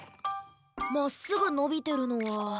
まっすぐのびてるのは。